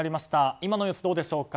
今の様子どうでしょうか。